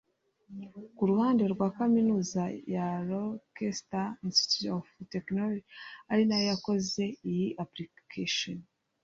Ku ruhande rwa Kaminuza ya Rochester Institute of Technology ari nayo yakoze iyi ‘application’